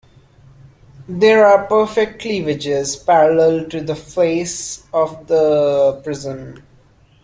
There are perfect cleavages parallel to the faces of the prism.